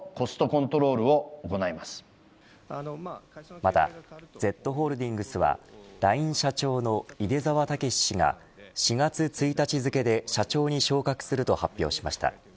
また、ＺホールディングスはＬＩＮＥ社長の出澤剛氏が４月１日付で社長に昇格すると発表しました。